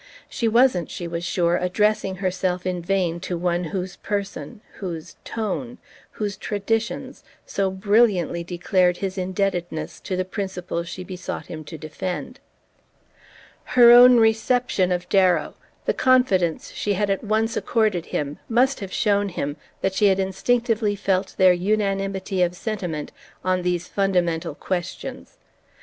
She wasn't, she was sure, addressing herself in vain to one whose person, whose "tone," whose traditions so brilliantly declared his indebtedness to the principles she besought him to defend. Her own reception of Darrow, the confidence she had at once accorded him, must have shown him that she had instinctively felt their unanimity of sentiment on these fundamental questions.